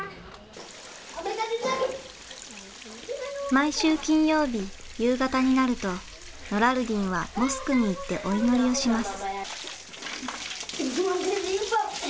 毎週金曜日夕方になるとノラルディンはモスクに行ってお祈りをします。